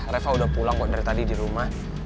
reva udah pulang kok dari tadi di rumah